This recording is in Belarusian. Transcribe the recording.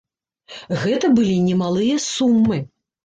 Гэта былі немалыя сумы.